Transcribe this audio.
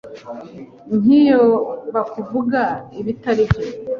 Nk’iyo bakuvuga ibitari byo